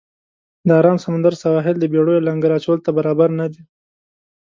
د آرام سمندر سواحل د بېړیو لنګر اچولو ته برابر نه دی.